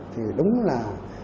thì đúng là